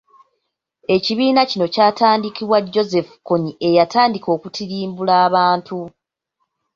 Ekibiina kino kyatandikibwa Joseph Kony eyatandika okutirimbula abantu.